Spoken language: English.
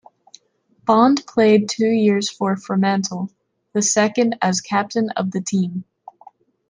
Bond played two years for Fremantle, the second as captain of the team.